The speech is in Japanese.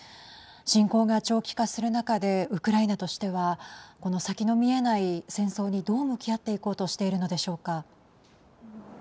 侵攻が長期化する中でウクライナとしてはこの先の見えない戦争にどう向き合っていこうとしているのでしょうか。